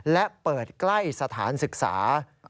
และเปิดใกล้สถานศึกษา